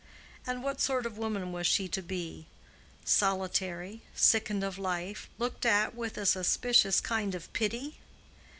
And what sort of woman was she to be—solitary, sickened of life, looked at with a suspicious kind of pity?